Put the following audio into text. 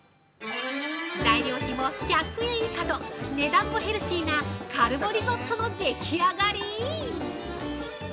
材料費も１００円以下と、値段もヘルシーなカルボリゾットのでき上がりー！